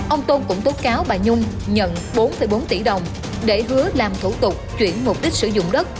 ông tôn cũng tố cáo bà nhung nhận bốn bốn tỷ đồng để hứa làm thủ tục chuyển mục đích sử dụng đất